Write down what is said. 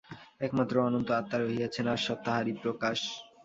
একমাত্র অনন্ত আত্মা রহিয়াছেন, আর সব তাঁহারই প্রকাশ।